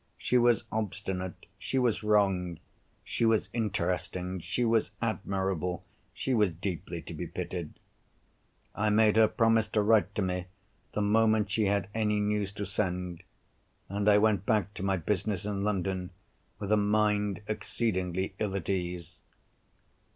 She was obstinate; she was wrong. She was interesting; she was admirable; she was deeply to be pitied. I made her promise to write to me the moment she had any news to send. And I went back to my business in London, with a mind exceedingly ill at ease.